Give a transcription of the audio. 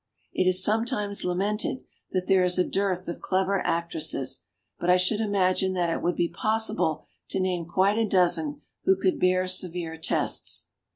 It is sometimes la mented that there is a dearth of clever actresses, but I should imagine that it would be possible to name quite a dozen who could bear severe tests.